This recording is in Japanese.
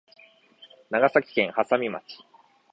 長崎県波佐見町